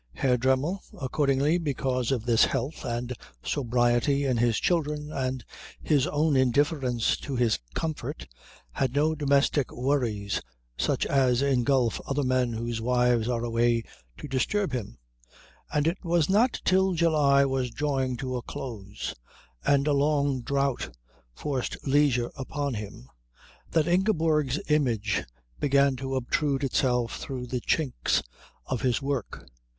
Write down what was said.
Herr Dremmel, accordingly, because of this health and sobriety in his children and his own indifference to his comfort, had no domestic worries such as engulf other men whose wives are away to disturb him, and it was not till July was drawing to a close and a long drought forced leisure upon him that Ingeborg's image began to obtrude itself through the chinks of his work.